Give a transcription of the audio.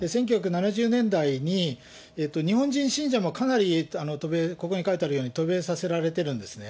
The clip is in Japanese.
１９７０年代に、日本人信者もかなり渡米、ここに書いてあるように、渡米させられてるんですね。